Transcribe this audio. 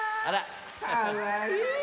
かわいい！